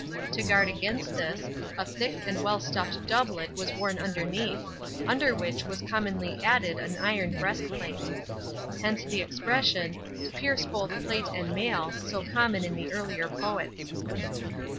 To guard against this, a thick and well stuffed doublet was worn underneath, under which was commonly added an iron breastplate. Hence the expression "to pierce both plate and mail," so common in the earlier poets.